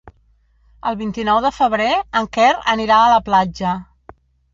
El vint-i-nou de febrer en Quer anirà a la platja.